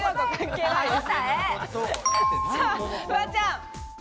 フワちゃん。